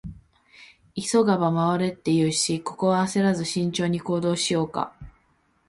「急がば回れ」って言うし、ここは焦らず慎重に行動しようか。